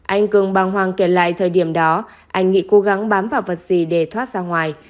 anh cường băng hoàng kể lại thời điểm đó anh nghị cố gắng bám vào vật gì để thoát ra ngoài